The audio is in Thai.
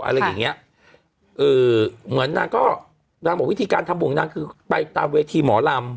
อะไรอย่างเงี้ยเอ่อเหมือนนางก็นางบอกวิธีการทำบุญของนางคือไปตามเวทีหมอลำ